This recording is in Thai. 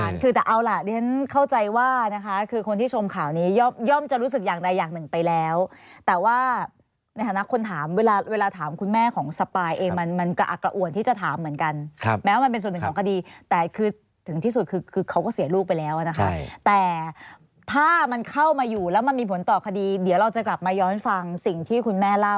คือแต่เอาล่ะดิฉันเข้าใจว่านะคะคือคนที่ชมข่าวนี้ย่อมจะรู้สึกอย่างใดอย่างหนึ่งไปแล้วแต่ว่าในฐานะคนถามเวลาถามคุณแม่ของสปายเองมันมันกระอักกระอวนที่จะถามเหมือนกันแม้ว่ามันเป็นส่วนหนึ่งของคดีแต่คือถึงที่สุดคือคือเขาก็เสียลูกไปแล้วนะคะแต่ถ้ามันเข้ามาอยู่แล้วมันมีผลต่อคดีเดี๋ยวเราจะกลับมาย้อนฟังสิ่งที่คุณแม่เล่า